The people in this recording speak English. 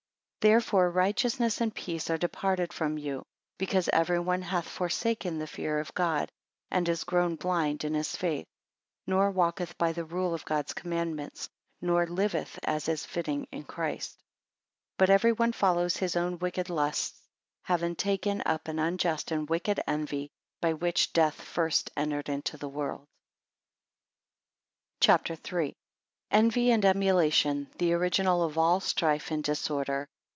4 Therefore righteousness and peace are departed from you, because every one hath forsaken the fear of God; and is grown blind in his faith; nor walketh by the rule of God's commandments nor liveth as is fitting in Christ: 5 But every one follows his own wicked lusts: having taken up an unjust and wicked envy, by which death first entered into the world. CHAPTER III. Envy and emulation the original of all strife and disorder.